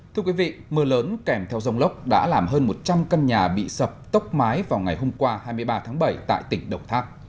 thưa quý vị mưa lớn kèm theo dông lốc đã làm hơn một trăm linh căn nhà bị sập tốc mái vào ngày hôm qua hai mươi ba tháng bảy tại tỉnh đồng tháp